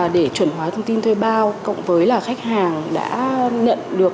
để chuẩn hóa thông tin thuê bao cộng với là khách hàng đã nhận được